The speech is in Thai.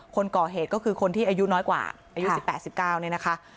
คนก่อเหตุก็คือคนที่อายุน้อยกว่าอายุ๑๘๑๙เนี่ยนะคะ